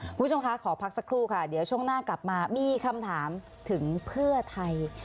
คุณผู้ชมคะขอพักสักครู่ค่ะเดี๋ยวช่วงหน้ากลับมามีคำถามถึงเพื่อไทย